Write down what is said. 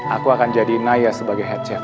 aku akan jadi naya sebagai head chair